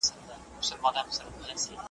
هغه څوک چي موبایل کاروي پوهه زياتوي!